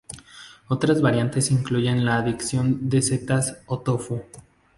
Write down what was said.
Otras variantes incluyen la adición de setas o tofu.